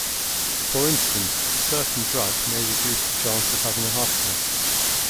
For instance, a certain drug may reduce the chance of having a heart attack.